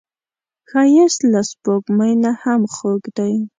ښایست له سپوږمۍ نه هم خوږ دی